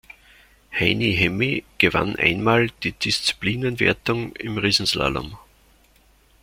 Heini Hemmi gewann einmal die Disziplinenwertung im Riesenslalom.